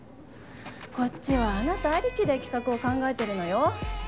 こっちはあなたありきで企画を考えてるのよ。